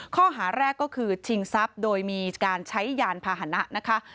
ข้อหาแรกก็คือชิงทรัพย์โดยมีการใช้ยานพาหนะนะคะ